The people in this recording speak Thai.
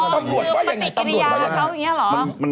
ประตูปบ๊ะติกริยาของเขาอย่างนี้เหรอ